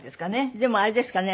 でもあれですかね。